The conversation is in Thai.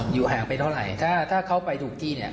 อยู่ห่างไปเท่าไหร่ถ้าถ้าเขาไปถูกที่เนี่ย